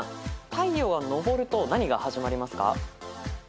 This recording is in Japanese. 太陽は昇ると何が始まりますか？